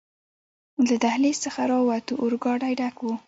له دهلېز څخه راووتو، اورګاډی ډک و.